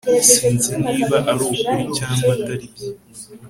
Sinzi niba arukuri cyangwa atari byo